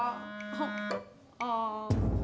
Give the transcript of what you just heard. engga ada porter di sini